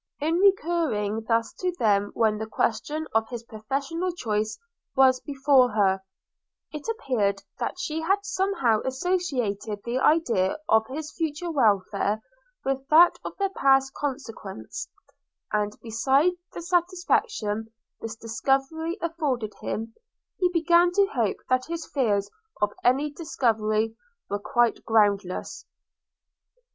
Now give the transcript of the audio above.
In recurring thus to them when the question of his professional choice was before her, it appeared that she had somehow associated the idea of his future welfare with that of their past consequence; and, besides the satisfaction this discovery afforded him, he began to hope that his fears of any discovery were quite groundless.